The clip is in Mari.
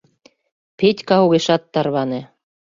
Петька огешат тарване.